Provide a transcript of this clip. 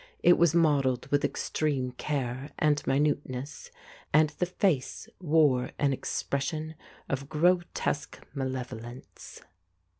It was modelled with extreme care and minuteness, and the face wore an expression of grotesque malevolence.